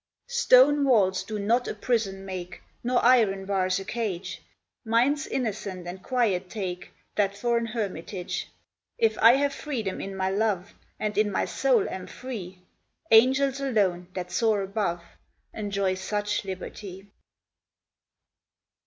4 Stone walls do not a prison make, Nor iron bars a cage; Minds innocent and quiet take That for an hermitage. If I have freedom in my love, And in my soul am free, Angels alone, that soar above, Enjoy such liberty.